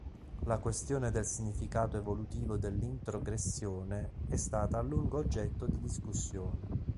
La questione del significato evolutivo dell’introgressione è stata a lungo oggetto di discussione.